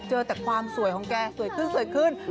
เจอแต่ความสวยของแกสวยขึ้น